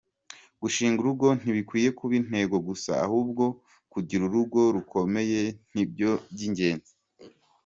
Gushinga urugo ntibikwiye kuba intego gusa ahubwo kugira urugo rukomeye n’ibyo by’ingenzi.